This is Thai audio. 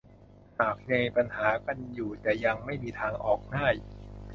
หากมีปัญหากันอยู่จะยังไม่มีทางออกง่าย